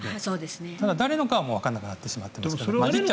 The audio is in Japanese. ただ、誰のかはわからなくなってしまってます。